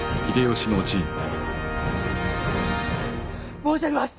申し上げます。